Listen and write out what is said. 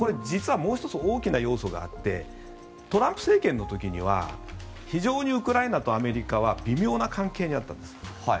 実はもう１つ大きな要素があってトランプ政権の時には非常にウクライナとアメリカは微妙な関係にあったんです。